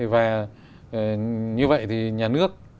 và như vậy thì nhà nước